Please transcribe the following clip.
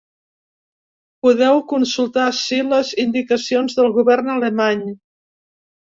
Podeu consultar ací les indicacions del govern alemany.